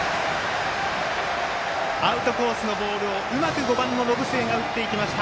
アウトコースのボールをうまく５番の延末が打っていきました。